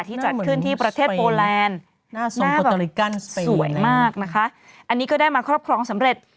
ที่จัดขึ้นที่ประเทศโปรแลนด์สวยมากนะคะอันนี้ก็ได้มาครอบครองสำเร็จ